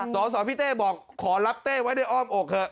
สสพี่เต้บอกขอรับเต้ไว้ด้วยอ้อมอกเถอะ